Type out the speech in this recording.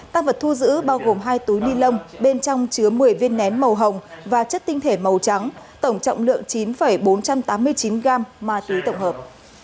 tăng vật thu giữ bao gồm hai túi ni lông bên trong chứa một mươi viên nén màu hồng và chất tinh thể màu trắng tổng trọng lượng chín bốn trăm tám mươi chín gam ma túy tổng hợp